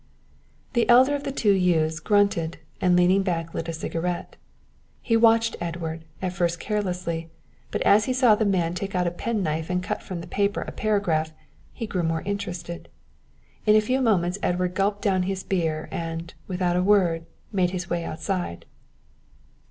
The elder of the two youths grunted and leaning back lit a cigarette. He watched Edward, at first carelessly, but as he saw the man take out a penknife and cut from the paper a paragraph, he grew more interested. In a few moments Edward gulped down his beer, and, without a word, made his way outside.